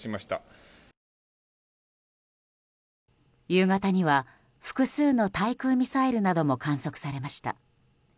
夕方には複数の対空ミサイルなども観測されました。